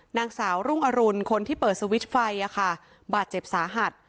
นางสาวรุ่งอรุณคนที่เปิดสวิตช์ไฟบาดเจ็บสาหัส